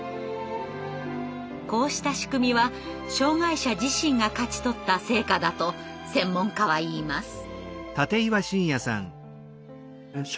こうした仕組みは障害者自身が勝ち取った成果だと専門家はいいます。